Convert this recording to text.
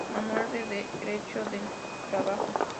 Manual de derecho del trabajo.